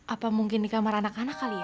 apa mungkin di kamar anak anak kali ya